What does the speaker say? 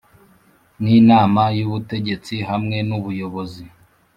n Inama y Ubutegetsi hamwe n ubuyobozi